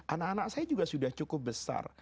anak anak saya juga sudah cukup besar